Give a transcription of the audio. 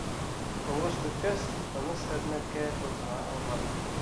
Һуғыш бөткәс, тыныс хеҙмәткә тотона алманым.